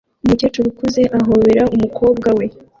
Umukecuru ukuze ahobera umukobwa we